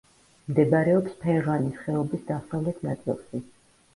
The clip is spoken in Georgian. მდებარეობს ფერღანის ხეობის დასავლეთ ნაწილში.